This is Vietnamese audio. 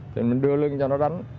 thì mình đưa lưng cho nó đánh